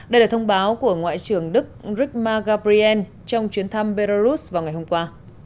đây là thông báo của ngoại trưởng đức rikma gabriel trong chuyến thăm belarus vào ngày hôm qua